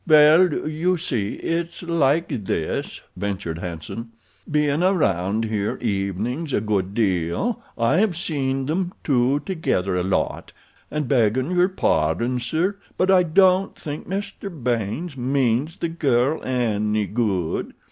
"Well, you see it's like this," ventured Hanson. "Bein' around here evenings a good deal I've seen them two together a lot, and, beggin' your pardon, sir, but I don't think Mr. Baynes means the girl any good.